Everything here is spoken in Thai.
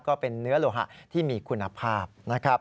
ก็เป็นเนื้อโลหะที่มีคุณภาพนะครับ